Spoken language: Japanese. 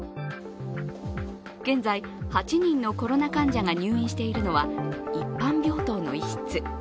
現在、８人のコロナ患者が入院しているのは一般病棟の一室。